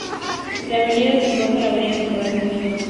La avenida desemboca en la Avenida Nicolás de Ayllón.